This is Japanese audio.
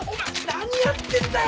何やってんだよおい。